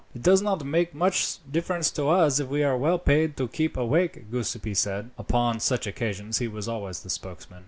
"It does not make much difference to us, if we are well paid, to keep awake," Giuseppi said. Upon such occasions he was always the spokesman.